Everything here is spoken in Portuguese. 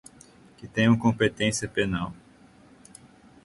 que tenham competência penal;